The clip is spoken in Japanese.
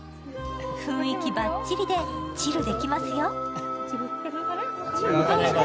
雰囲気バッチリで、チルできますよ